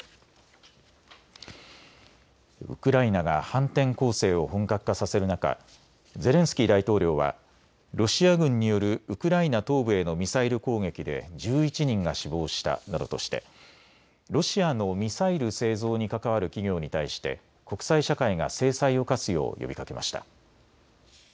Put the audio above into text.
ウクライナが反転攻勢を本格化させる中、ゼレンスキー大統領はロシア軍によるウクライナ東部へのミサイル攻撃で１１人が死亡したなどとしてロシアのミサイル製造に関わる企業に対して国際社会が制裁を科すよう呼びかけました。